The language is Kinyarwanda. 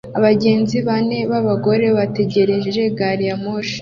Abagenzi bane b'abagore bategereje gari ya moshi